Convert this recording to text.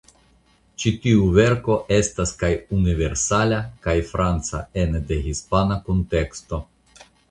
Ĉi tiu verko estas kaj universala kaj franca ene de hispana kunteksto.